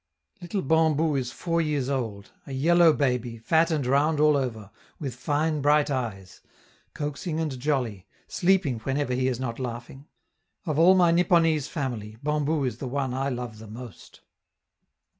Little Bambou is four years old a yellow baby, fat and round all over, with fine bright eyes; coaxing and jolly, sleeping whenever he is not laughing. Of all my Nipponese family, Bambou is the one I love the most.